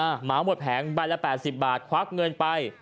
เหมาหมดแผงใบละ๘๐บาทควักเงินไป